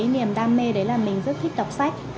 niềm đam mê đấy là mình rất thích đọc sách